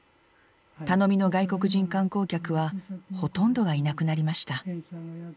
頼みの外国人観光客はほとんどがいなくなりました。